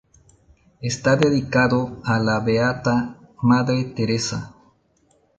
Está dedicado a la beata Madre Teresa.